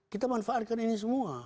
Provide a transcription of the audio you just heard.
kita manfaatkan ini semua